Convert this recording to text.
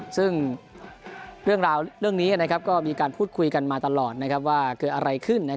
ซึ่งเรื่องราวเรื่องนี้ก็มีการพูดคุยกันมาตลอดว่าเกิดอะไรขึ้น